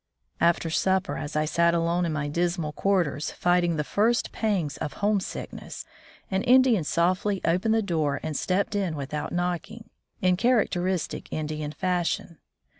After supper, as I sat alone in my dismal quarters fighting the first pangs of home 77 From the Deep Woods to Cimlizatum sickness, an Indian softly opened the door and stepped in without knocking, in char acteristic Indian fashion.